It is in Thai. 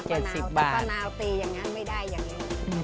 ปะน้าวตีอย่างนั้นไม่ได้อย่างนี้